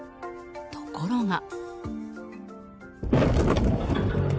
ところが。